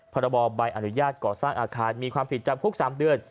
พรบใบอนุญาตก่อสร้างอาคารมีความผิดจำคุก๓เดือน